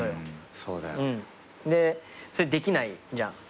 でできないじゃん。